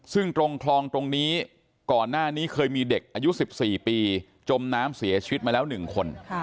ซึ่งตรงคลองตรงนี้ก่อนหน้านี้เคยมีเด็กอายุ๑๔ปีจมน้ำเสียชีวิตมาแล้ว๑คน